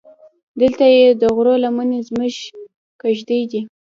دلته دې د غرو لمنې زموږ کېږدۍ دي.